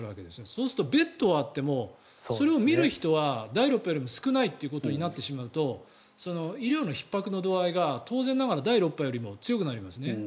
そうするとベッドはあってもそれを診る人は第６波よりも少ないということになってしまうと医療のひっ迫の度合いが当然ながら第６波よりも強くなりますね。